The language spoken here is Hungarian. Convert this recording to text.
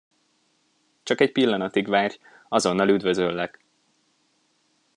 Csak egy pillanatig várj, azonnal üdvözöllek!